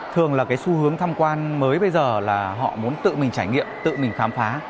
thường là cái xu hướng tham quan mới bây giờ là họ muốn tự mình trải nghiệm tự mình khám phá